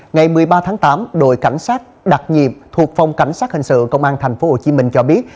ngày một mươi ba tháng tám đội cảnh sát đặc nhiệm thuộc phòng cảnh sát hình sự công an tp hcm cho biết